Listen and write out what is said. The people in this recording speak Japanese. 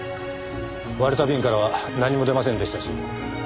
割れたビンからは何も出ませんでしたし。